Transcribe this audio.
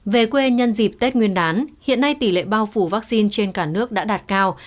về quê nhân dịp tết nguyên đán hiện nay tỷ lệ bao phủ vaccine trên cả nước đã đạt cao